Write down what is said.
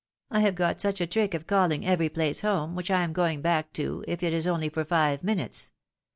" I have got such a trick of calling every place home, which I am going back to, if it is only for five minutes.